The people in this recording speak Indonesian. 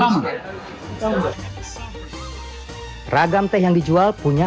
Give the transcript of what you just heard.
ini adalah teh saya telah membuatnya